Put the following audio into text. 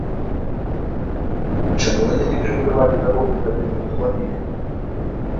Чаму яны не перакрывалі дарогу гэтымі аўтамабілямі?